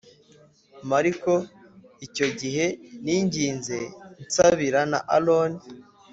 M ariko icyo gihe ninginze n nsabira na aroni